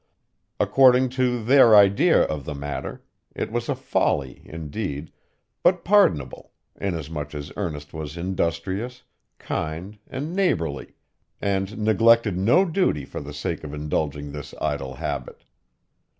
According to their idea of the matter, it was a folly, indeed, but pardonable, inasmuch as Ernest was industrious, kind, and neighborly, and neglected no duty for the sake of indulging this idle habit.